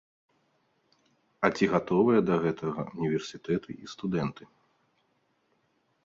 А ці гатовыя да гэтага ўніверсітэты і студэнты?